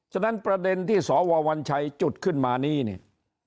ฉะนั้นประเด็นที่สววัญชัยจุดขึ้นมานี้เนี่ย